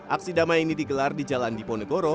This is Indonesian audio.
aksi damai ini digelar di jalan diponegoro